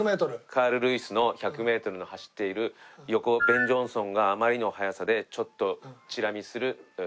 カール・ルイスの１００メートル走っている横をベン・ジョンソンがあまりの速さでちょっとチラ見するカール・ルイス。